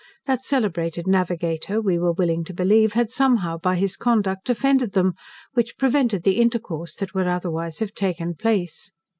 That celebrated navigator, we were willing believe, had somehow by his conduct offended them, which prevented the intercourse that would otherwise have taken place.